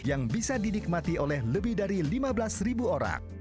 yang bisa dinikmati oleh lebih dari lima belas ribu orang